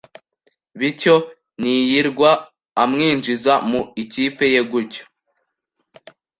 bityo ntiyirwa amwinjiza mu ikipe ye gutyo